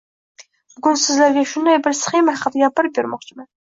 Bugun sizlarga shunday bir sxema haqida gapirib bermoqchiman